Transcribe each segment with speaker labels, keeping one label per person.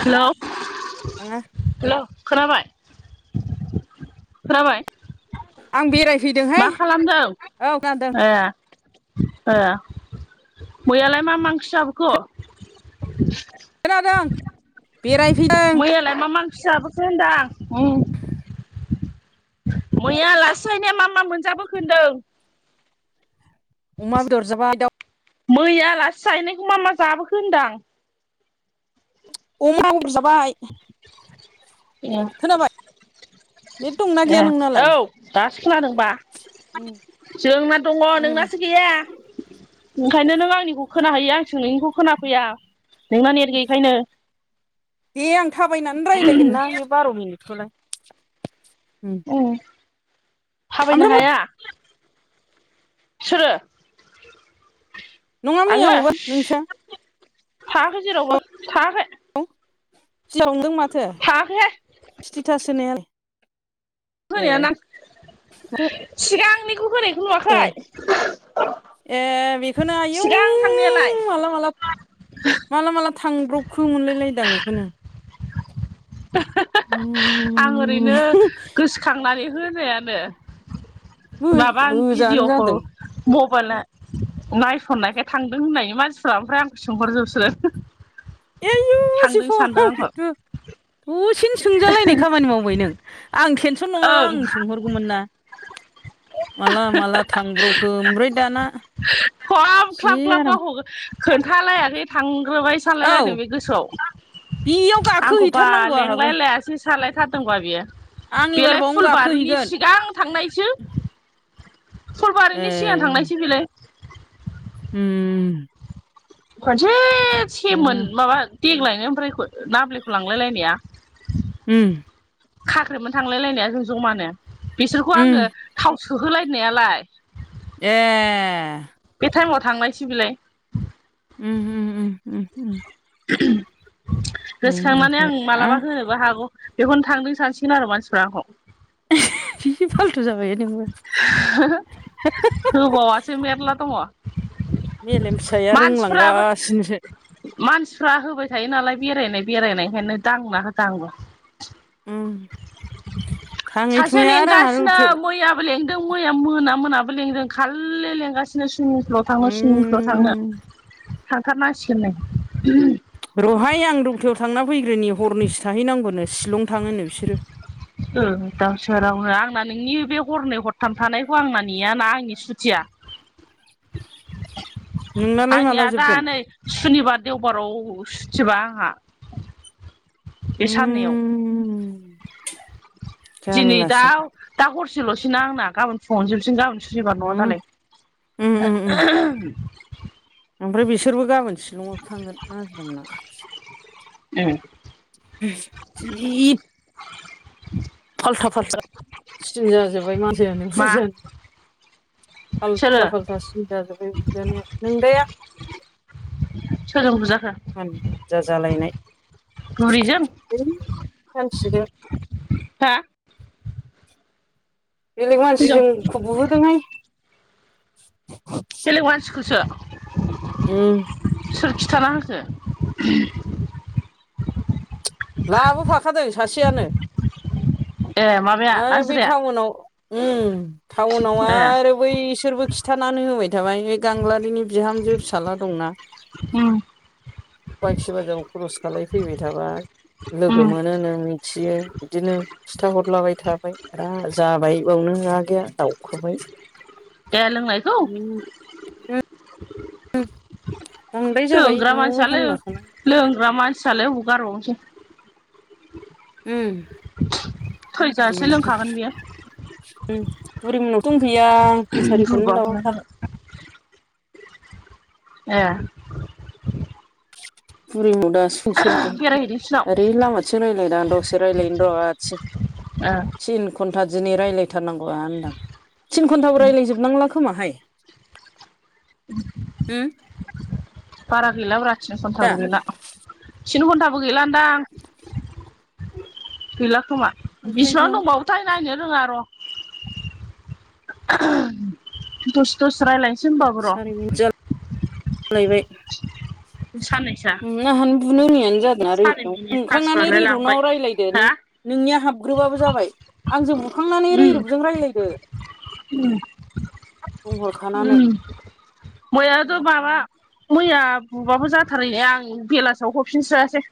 Speaker 1: Hello
Speaker 2: आङो।
Speaker 1: Hello खोनाबाय खोनाबाय।
Speaker 2: आं बेरायफैदों
Speaker 1: मा खालामदों ए ए मैयालाय मा मा ओंख्रि जाबोख'
Speaker 2: खोनादों बेरायफैदों
Speaker 1: मैयालाय मा मा ओंख्रि जाबोखो होनदां? उम मैया आलासि जाहैनाया मा मा मोनजाबोखो होनदों
Speaker 2: अमा बेदर जाबाय दाव
Speaker 1: मै आलासि जायनायखौ मा मा जाबोखो होनदां
Speaker 2: अमा बेदर जाबाय
Speaker 1: ए
Speaker 2: खोनाबाय
Speaker 1: [unintelligible]
Speaker 2: नेट दंना गैया
Speaker 1: ए
Speaker 2: नोंनालाय
Speaker 1: औ दासो खोनादोंबा।
Speaker 2: उम
Speaker 1: जोंना दङ
Speaker 2: उम
Speaker 1: नोंनासो गैया। ओंखायनो नों आंनिखौ खोनाहोयो आंसो नोंनिखौ खोनाफैया नोंना नेट गैयैखायनो।
Speaker 2: दे आं थाबायनानै रायज्लायगोन ना बे बार' मिनिटखौलाय।
Speaker 1: उम थाबायनो
Speaker 2: ओमफ्राय मा
Speaker 1: हाया। सोरो
Speaker 2: नङा मैया
Speaker 1: आङो
Speaker 2: हगार नोंसो [inaudible]
Speaker 1: थाङाखै जेरावबो थाङाखै।
Speaker 2: औ सिमां नुदों माथो
Speaker 1: थाङाखैहाय
Speaker 2: स्टेटास होनायालाय। [unintelligible] ए
Speaker 1: होनाया ना
Speaker 2: माथो
Speaker 1: सिगांनिखौ होनाय। नों
Speaker 2: ए
Speaker 1: नुवाखै
Speaker 2: ए बेखौनो आयौ
Speaker 1: सिगां थांनायालाय।
Speaker 2: माला माला माला माला थांब्रबखो मोनलायलायदां बेखौनो।
Speaker 1: [unintelligible] आं
Speaker 2: उम
Speaker 1: ओरैनो गोसोखांनानै होनायानो।
Speaker 2: बो
Speaker 1: माबा
Speaker 2: बोजानो
Speaker 1: भिडिअखो
Speaker 2: जादों
Speaker 1: मबाइल नायसननायखाय थांदों होननाय मानसिफ्रा ओमफ्राय आंखौ सोंहरजोबसिगोन
Speaker 2: एयु सिफ'थु
Speaker 1: सानदों आंखौ
Speaker 2: दसेनो सोंजालायनाय खामानि मावबाय नों आं टेनसन नङाबा
Speaker 1: ओं
Speaker 2: आं सोंहरगौमोन ना माला माला थांब्रावखो ओमफ्राय दाना
Speaker 1: अ [inaudible] ग्लाब
Speaker 2: जि
Speaker 1: ख्लाब [unintelligible]
Speaker 2: आराम
Speaker 1: गावखौ खोन्थालायनानै थांग्रोबाय
Speaker 2: औ
Speaker 1: सानलायलायदों बे गोसोआव
Speaker 2: बेयाव
Speaker 1: आंखौ बा
Speaker 2: गाखोहैथारनांगौ आंहाबो
Speaker 1: लेंलाय लायासोय सालायथारदोंबा बियो
Speaker 2: आं एबार
Speaker 1: बेलाय
Speaker 2: बावनो
Speaker 1: फुलबारिनि
Speaker 2: गाखोहैगोन
Speaker 1: सिगां थांनायसो
Speaker 2: ए
Speaker 1: सलबारिनि सिगां थांनायसो बेलाय
Speaker 2: उम
Speaker 1: खनसे
Speaker 2: ओ
Speaker 1: सेमोन माबा देग्लायनो ओमफ्राय नाबलेखौ लांलाय लायनाया
Speaker 2: उम
Speaker 1: खाख्रेमोन थांलाय लायनाया जों जमानो बिसोरखौ
Speaker 2: उम
Speaker 1: आङो थाव सो होलायनायालाय
Speaker 2: ए
Speaker 1: बे टाइमाव थांनायसो बिलाय
Speaker 2: उम उम उम उम उम
Speaker 1: [inaudible] गोसोखांनानै
Speaker 2: होनाखै
Speaker 1: आं
Speaker 2: आ
Speaker 1: मालाबा होनोबो हागौ बेखौनो थांदों सानसिगोन आरो मानसिफ्रा आंखौ
Speaker 2: जि फालथु जाबाय नोंबो
Speaker 1: होबाववासो मेरला दङ
Speaker 2: मेलेम फिसाया
Speaker 1: मानसिफ्राबो
Speaker 2: रोंलांगासिनोसो
Speaker 1: मानसिफ्रा होबाय थायो नालाय बेरायनाय बेरायनायखायनो दांना होदांबो
Speaker 2: उम थाङै
Speaker 1: सासे
Speaker 2: थुङै आरो आंहा
Speaker 1: लिंगासिनो
Speaker 2: रौथो
Speaker 1: मैया बो लेंदों मैया मोना मोनाबो लिदों खालि लेंगासिनो सुइमिं फुलाव थांनो सुइमिं फुलाव थांनो
Speaker 2: उम
Speaker 1: थांथारनांसिगोननो
Speaker 2: र'हाय, आं रौथायाव थांना फैग्रोनि, हनैसो थाहैनांगौनो शिलं थाङोनो बिसोरो,
Speaker 1: [unintelligible] दाउ सोरावनो आंना नोंनि बे हरनै हरथाम थानायखौ आंना नेयाना आंनि सुथिया,
Speaker 2: नोंनालाय माला
Speaker 1: आंनिया दा
Speaker 2: जोबगोन
Speaker 1: नै सुनिबार देवबाराव सुथिबा आंहा बे साननैयाव
Speaker 2: उम
Speaker 1: दिनै दा
Speaker 2: जारलासो
Speaker 1: दा हरसेल'सैना आंना गाबोन फुंड़ावनो जोबसगन गाबोन सुनिबार नङा
Speaker 2: उम
Speaker 1: दालाय
Speaker 2: उम उम उम ओमफ्राय बिसोरबो गाबोन शिलंआवसो थांगोन नाजिराम
Speaker 1: उ [unintelligible]
Speaker 2: जि फाल्था फाल्था सिन जाजोब्बाय मानसियानो
Speaker 1: मा
Speaker 2: बुजानो
Speaker 1: सोरो
Speaker 2: आल्था फाल्था सिन जाजोब्बाय बिुजानाया नोंदाया
Speaker 1: सोरजों बुजाखो
Speaker 2: हानजा जालायनाय
Speaker 1: बुरिजों
Speaker 2: [unintelligible]
Speaker 1: हा
Speaker 2: बेलेग
Speaker 1: हिनजाव
Speaker 2: मानसिजों बुहोदोंहाय
Speaker 1: बेलेग मानसिखोसो
Speaker 2: ओ
Speaker 1: सोर खिथाना होखो
Speaker 2: लाबोफाखादों सासेयानो
Speaker 1: ए माबाया
Speaker 2: आरो बे
Speaker 1: नाजिराया
Speaker 2: टाउनाव ओम टाउनाव
Speaker 1: ए
Speaker 2: आरो बै सोरबो खिथानानै होबाय थाबाय बे गांग्लाारिनि बिहामजो फिसाज्ला दंना।
Speaker 1: उम
Speaker 2: फानसि बाजार खरस खालाय फैबाय थाबा
Speaker 1: उम
Speaker 2: लोगो मोनोनो मिथियो। बिदिनो खिथाहरलाबाय थाबाय आ जाबाय बावनो हा गैया दाउखोबाय
Speaker 1: ए लोंनायखौ
Speaker 2: जाबाय
Speaker 1: लोंग्रा
Speaker 2: न'आव
Speaker 1: मानसियालाय
Speaker 2: हाल्ला
Speaker 1: लोंग
Speaker 2: खालाम
Speaker 1: लोंग्रा मानसियालाय हबाव गारबावनोसै
Speaker 2: उम
Speaker 1: थैजासै लोंखागोन बियो
Speaker 2: ओम बुरि मोननावथ' दं गैया दैसारिखौनो
Speaker 1: दुरबलखौनो
Speaker 2: दावरावथार,
Speaker 1: [unintelligible] ए
Speaker 2: बुरैम दा सोंसद
Speaker 1: बेरायहैदों सिनाव
Speaker 2: ओरै लामथि रायजलायदों आ दावसो रायजलायनो र' आथिं
Speaker 1: ओ
Speaker 2: घन्था दिनै रायलायथारनांला होनदां थिन घन्टाबो रायलायजोबनांला खोमाहाय होम
Speaker 1: बारा गैला ब्रा तिन
Speaker 2: दा
Speaker 1: घन्टाबो गैला, थिन घन्टाबो गैलादां? गैला खोमा बेसिबां
Speaker 2: ओंखायनोथ'
Speaker 1: दंबावो फाइ नायनो रोङा र' दसे-दसे राय्लायनो [unintelligible]
Speaker 2: लायबाय
Speaker 1: सानैसोआ
Speaker 2: नाहानो बुनो रोंयैनो जादों ना रिदाव नंखांनानै
Speaker 1: पासबालाय लांबाय
Speaker 2: रिदुवनाव रायज्लायदो
Speaker 1: हा
Speaker 2: नों नोंनिया हाबग्रोबाबो जाबाय आंजों बुखांनानै रैरपजों रायलायदो
Speaker 1: उम ओम मैयाथ' बाबा मैया बुबाबो जाथारै ने आं बेलासियाव हरफिनस्रायासै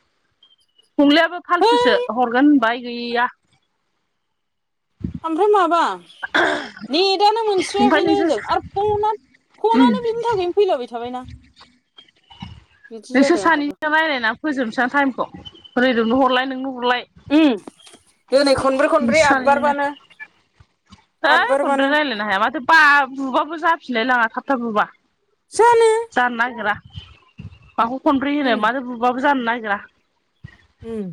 Speaker 1: हंलायाबो
Speaker 2: है
Speaker 1: फाल्थुसो हरगोन होनबाय गैया
Speaker 2: ओमफ्राय माबा नेटानो
Speaker 1: ओमफ्राय
Speaker 2: मोनस्रोयाखैनो
Speaker 1: नोंसोर
Speaker 2: ओजों आरो फनआ
Speaker 1: उम
Speaker 2: फननानो बिनि थाखायनो फैलाबाय थाबायना बिदि जादों आंहाबो
Speaker 1: [unintelligible] फोजोबनोसां टाइमखौ रैरफनो हरलाय नोंनो हरलाय
Speaker 2: ओम दिनै
Speaker 1: नोंसोर
Speaker 2: खनब्रै-खनब्रै
Speaker 1: सानैजोंनो ओइ खनब्रै
Speaker 2: आदबारबानो-आतबारबानो
Speaker 1: रायज्लायनो हाया माथो बा बुबाबो जाफिनलाय लाङा थाबथाब बुबा,
Speaker 2: जानो
Speaker 1: जानो नागिरा माखौ खनब्रै होनो।
Speaker 2: उम
Speaker 1: मानो बुबाबो जानो नागिरा
Speaker 2: उम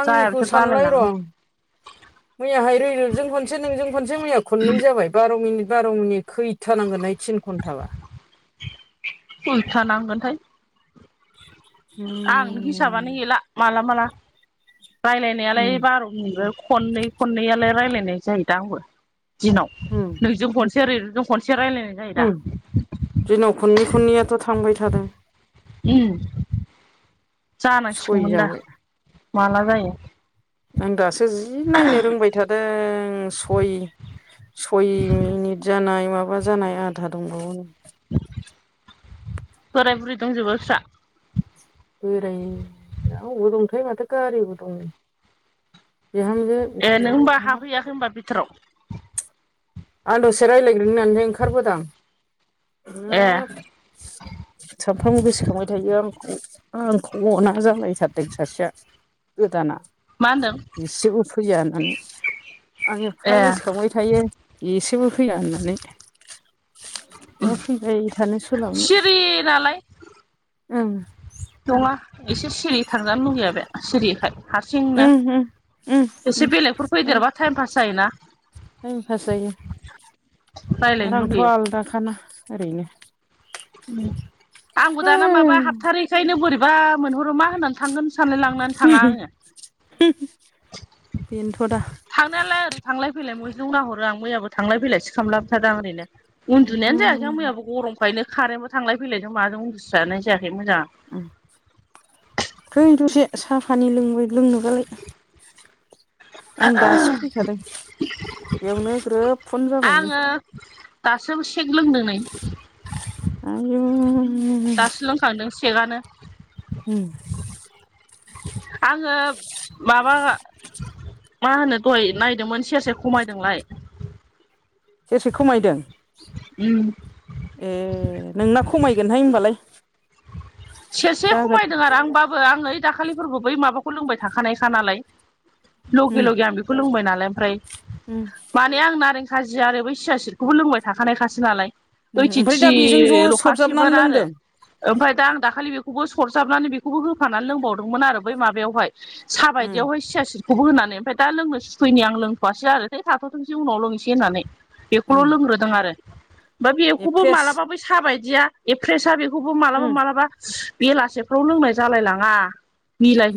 Speaker 2: आंनिखौ
Speaker 1: जायाबाथाय बालाय
Speaker 2: सानलाय र'
Speaker 1: लाङो
Speaker 2: मैयाहाय रैरुबजों खनसे नोंजों खनसे मैया खनै जाबाय। बार' मिनिट बार' मिनिट खैथानांगोन तिन घन्टाबा
Speaker 1: उलथा नांगोनथाय आं हिसाबानो
Speaker 2: उम
Speaker 1: गैला माला-माला रायज्लायनायालाय
Speaker 2: उम
Speaker 1: बार' दिनैबो खननै-खननैआलाय रायजलायनाय जायो दा आंबो दिनाव
Speaker 2: उम
Speaker 1: नोंजों खनसे रैरुब खनसे रायलायनाय जायो दा
Speaker 2: ओम दिनाव खननै-खननैयाथ' थांबाय थादों।
Speaker 1: ओम
Speaker 2: सय
Speaker 1: जानांसिगौमोन दा
Speaker 2: जाबाय
Speaker 1: माला जायो।
Speaker 2: आं दासो जि नायनो रोंबाय थादों सय सय मिनिट जानाय माबा जानाय आधा दंबावो नै
Speaker 1: बोराय बुरि दंजोबो बेस्रा
Speaker 2: बोराय अबाव दंथायै माथो गारिबो दं बिहामजो
Speaker 1: ए
Speaker 2: बिखुनजो
Speaker 1: नों होमबा हाफहैयाखै होनबा बिथोराव
Speaker 2: आं दसे रायज्लायग्रोन होननानै ओंखारबोदां
Speaker 1: ए
Speaker 2: सामफ्रामबो गोसोखांबाय थायो आंखौ आंखौ अना जालायथारदों सासेया गोदाना
Speaker 1: मा होनदों
Speaker 2: एसेबो फैया होननानै आं
Speaker 1: ए
Speaker 2: एफा गोसोखांबाय थायो। एसेबो फैया होननानै बहा फैबाय थानो सोलाबनो
Speaker 1: फ्रि नालाय
Speaker 2: ओम
Speaker 1: नङा एसे सिरि थांजानो लुगैया बे सिरिखाय हारसिंनो
Speaker 2: उम उम उम
Speaker 1: एसे
Speaker 2: उम
Speaker 1: बेलेगफोर
Speaker 2: आरो
Speaker 1: फैदेरबा टाइम पास जायोना
Speaker 2: टाइम पास जायो
Speaker 1: रायज्लायनो
Speaker 2: आंथ'
Speaker 1: लुगैयो
Speaker 2: आलादाखाना ओरैनो
Speaker 1: आंबो दाना माबा हाबथारैखायनो बोरैबा मोनहर मा होनानै थांगोन सानलाय लांनानै थाङा आङो
Speaker 2: बेनोथ' दा
Speaker 1: थांनायालाय ओरै थांलाय फैलाय मैजौ नाहरो आं मैयाबो थांलाय फैलायो खालामलाबायथादों ओरैनो
Speaker 2: उमहो
Speaker 1: उन्दुनायानो जायाखै आं मैयो गरमखायनो खारेनबो थांलाय फैलायजों माजों उन्दुसानाय जायाखै मोजां
Speaker 2: फै दसे साहा फानि लोंबाय लोंनोबालाय आं दासो फैखादों बेयावनो ग्रोब फन जाबाय
Speaker 1: आङो दासो सेक लोंदों नै
Speaker 2: आरो
Speaker 1: दासो लोंखांदों सेकआनो
Speaker 2: हम
Speaker 1: आङो माबा मा होनो दह नायदोंमोन सेरसेेर खमायदोंलाय
Speaker 2: सेरसे खमायदों
Speaker 1: उम
Speaker 2: ए नोंना खमायगोनहाय होनबालाय
Speaker 1: सेरसे खमायदों आरो आंबाबो आं ओइ दाखालिफोरखौ बै माबाखौ लोंबाय थाखानायखा नालाय लगे
Speaker 2: उम
Speaker 1: लगे आं बेखौ लोंबाय नालाय ओमफ्राय
Speaker 2: उम
Speaker 1: माने आं नारें खाजिया आरो बै सिया सिटखौबो लोंबाय थाखानायखासो नालाय
Speaker 2: उम ओमफ्राय दा
Speaker 1: ओइटिथ्रि
Speaker 2: बेजों ज' सरजाबनानै
Speaker 1: ल'खासैमोन आरो
Speaker 2: लोंदों
Speaker 1: ओमफ्राय दा आं दाखालि बेखौबो सरजाबनानै बेखौबो होफानानै लोंबावदोंमोन आरो बै माबायावहाय सा
Speaker 2: उम
Speaker 1: बायदियावहाय सियासि बेखौबो होनानै दा लोंनो सुखैयैनि आं लोंथ'वासै आरो थै थाथ'थोंसै उनाव लोंनोसै होननानै
Speaker 2: उम
Speaker 1: बेखौल' लोंग्रोदों आरो ओमफ्राय
Speaker 2: ए
Speaker 1: बेखौबो
Speaker 2: फ्रेस
Speaker 1: मालाबाबो साबायदिया ए फ्रेसा बेखौ बेखौबो
Speaker 2: उम
Speaker 1: मालाबा मालाबा बेलासेफ्राव लोंनाय जालाय लाङा।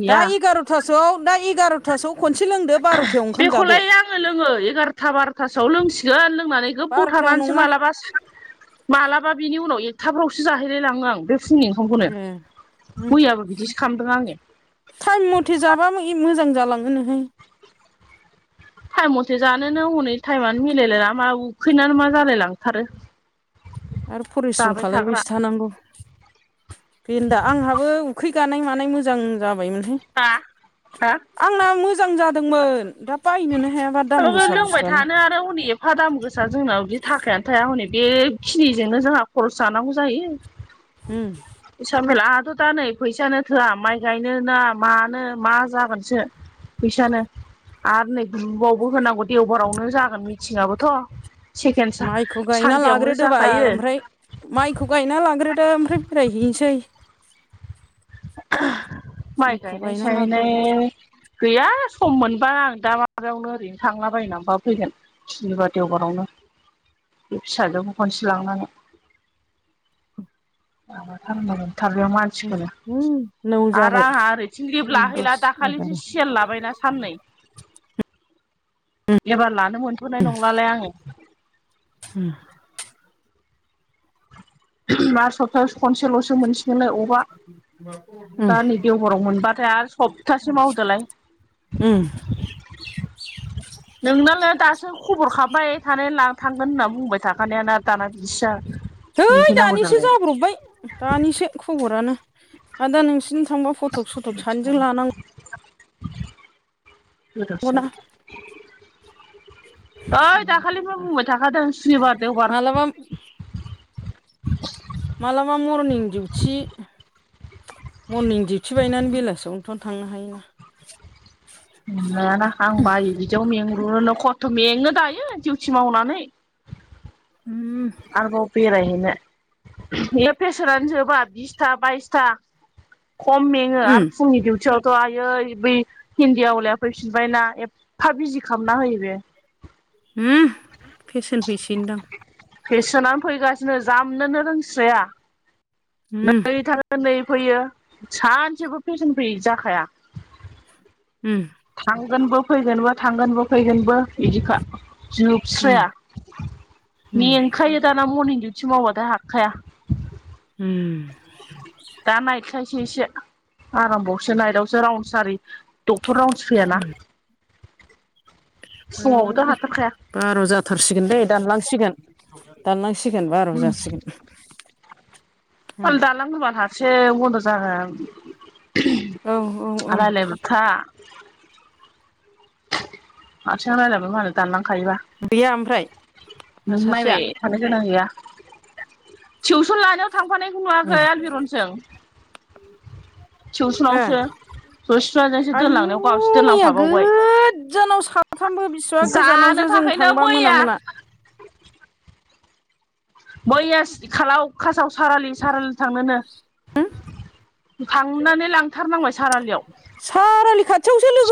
Speaker 2: दा एगार'थासोआव दा एगार'थासोआव खनसे लोंदो बार'थायाव ओंखाम जादो।
Speaker 1: लोङो लोङो एगारथा बार'थासोआव लोंसिगोन लोंनानै गोबाव
Speaker 2: बार'थायाव
Speaker 1: थानानैसो
Speaker 2: नङा
Speaker 1: मालाबा मालाबा बिनि उनाव एकथाफ्रावसो जाहैलाय लाङो आं बे फुंनि ओंखामखौनो
Speaker 2: ए उम
Speaker 1: मैयाबो बिदिसो खालामदों आङो।
Speaker 2: टाइम मथे जाबा मोजां जालाङो नोहाय।
Speaker 1: टाइम मथे जानोनो हनै टाइमानो मिलायलाय लाङा उखैनानै मा जालाय लांथारो।
Speaker 2: आरो फरिस्रम
Speaker 1: जाबाय थाग्रा
Speaker 2: खालामलायबायसो थानांगौ। गन्दा आंहाबो उखै गानाय मानाय मोजां जाबायमोनहाय।
Speaker 1: हा हा
Speaker 2: आंना मोजां जादोंमोन दा बायनोनो हायाबा दाम
Speaker 1: माबा
Speaker 2: गोसा
Speaker 1: लोंबाय
Speaker 2: बुस्थुआनो
Speaker 1: थानो आरो हनै हा दाम गोसा जोंनाव बिदि थाखायानो थाया हनै बेखिनिजोंनो जोंहा खरस जानांगौ जायो।
Speaker 2: उम।
Speaker 1: बे सामेला आहाथ' दा नै फैसायानो थोआ माइ गायनो ना मानो मा जागोनसो फैसानो आरो नै बावबो होनांगौ देवबारावनो जागोन मिथिंआबोथ' सेकेणड
Speaker 2: माइखौ गायना
Speaker 1: सानदेआवनो
Speaker 2: लाग्रोदो
Speaker 1: जाखायो
Speaker 2: बाल ओमफ्राय माइखौ गायना लांग्रोदो ओमफ्राय बेरायहैनोसै
Speaker 1: माय
Speaker 2: माइखौ
Speaker 1: गायनाय
Speaker 2: गायना लाग्रोदो
Speaker 1: सायलाय गैया सम मोनबा आं दा माबायावनो ओरैनो थांलाबायनानैबा फैगोन। फिलिबा देवबारावनो बे फिसाजोबो खनसे लांनानै माबाथारथार बेयाव मानसिखो
Speaker 2: उम नौ
Speaker 1: आरो
Speaker 2: जाबाय
Speaker 1: आंहा ओरैथिं लिभ लाहैला
Speaker 2: दस
Speaker 1: दाखालिसो
Speaker 2: एगार'
Speaker 1: सि सेल लाबायना साननै एबार लानो मोनथ'नाय नंलालाय आङो।
Speaker 2: उम
Speaker 1: मा सप्तायाव खनसेल'सो मोनसिगोननो
Speaker 2: उम
Speaker 1: दा नै देवबाराव मोनबाथाय आरो सब
Speaker 2: उम।
Speaker 1: नोंनालाय दासो खबर खाबाय थनाय ला थांगोन होनना बुंबाय थाखानायानो दाना बिदिसो जाबाय
Speaker 2: है दानिसो जाब्रबबाय दानिसो खबरानो आदा नोंसिनि थांबा फटक सटक सानैजों लानांगौ।
Speaker 1: गोदाव सोराव ओइ दाखालि बो बुंबाय थाखादों सुनिबार देवबार
Speaker 2: मालाबा मालाबा मरनिं डिउथि मरनिं डिउथि बायनानै बेलासियावनोथ'नो थांनो हायोना।
Speaker 1: नायाना आं बायो बिदियाव मेंग्रुोनो खस्थ' मेङो दायो डिउथि मावनानै।
Speaker 2: उम।
Speaker 1: आरोबाव बेरायहैनो बेहा प्रेसारानो जोबा बि आथा बाइसथा खम मेङो
Speaker 2: उम
Speaker 1: आरो फुंनि डिउटियाव थ' आयै बै हिन्न्दी आवलाया फैफिनबायना एफा बिजि खालामना होयो बे।
Speaker 2: हो फेसेन हैसै होनदां
Speaker 1: फेसोनानो फैगासिनो जामनोनो रोंसाया
Speaker 2: उम।
Speaker 1: बै थाङो नै फैयो सानसेबो फेसन फै जाखाया।
Speaker 2: उम।
Speaker 1: थांगोनबो फैगोनबो थांगोनबो फैगोनबो बिदिखा
Speaker 2: उम
Speaker 1: जोबस्राया
Speaker 2: उम
Speaker 1: [unintelligible] खायो, दाना मरनिं दिउटि मावबथाय हाखाया।
Speaker 2: ओम।
Speaker 1: दा नायटखायसो एसे आरामबावसो नायटावसो राउन सारि वन्स फैया ना।
Speaker 2: ओम
Speaker 1: हाथारखाया
Speaker 2: बार' जाथारसिगोन दे दानलांसिगोन। दानलांसिगोन बार' जासिगोन। उम
Speaker 1: [unintelligible] दानना होबा हारसिं बन्द' जागोन।
Speaker 2: औ औ औ
Speaker 1: [unintelligible] रालायबायथा। हारसिं रायलायबाबो मालाय दानलांखायोबा।
Speaker 2: गैया ओमफ्राय
Speaker 1: नों
Speaker 2: सासेया
Speaker 1: नायबाय थानो गोनां गैया। टिउसन लानायाव थांफानायखौ नुवाखै आलबिरनजों।
Speaker 2: ओ
Speaker 1: टिउसनावसो जसिताजोंसो
Speaker 2: आयु
Speaker 1: दोनलांनायाव गावहासो
Speaker 2: मैया
Speaker 1: दोनलांफाबावबाय।
Speaker 2: गोजानाव साथामबो बिसिबा
Speaker 1: जानो
Speaker 2: गोजानावसो जों
Speaker 1: थाखायनो
Speaker 2: थांबा मोना
Speaker 1: मैया
Speaker 2: मोना
Speaker 1: मैयासि खालाव खासाव सारि आलि सारि आलि थांनोनो। थांनानै लांथारनांबाय सारि आलियाव।
Speaker 2: सारि आलि खाथियावसो लोगो मो